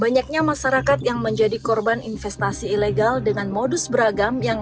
banyaknya masyarakat yang menjadi korban investasi ilegal dengan modus beragam yang